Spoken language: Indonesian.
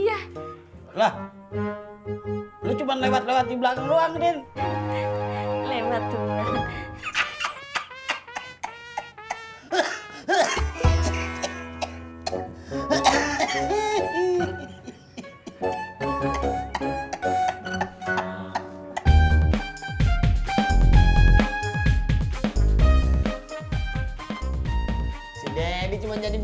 lah lo cuma lewat lewat di belakang ruang din